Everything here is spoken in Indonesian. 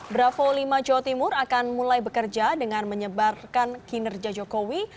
bravo lima jawa timur akan mulai bekerja dengan menyebarkan kinerja jokowi